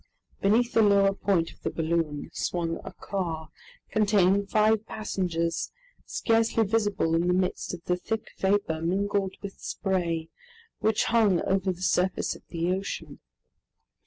Beneath the lower point of the balloon swung a car, containing five passengers, scarcely visible in the midst of the thick vapor mingled with spray which hung over the surface of the ocean.